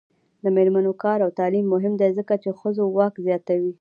د میرمنو کار او تعلیم مهم دی ځکه چې ښځو واک زیاتوي.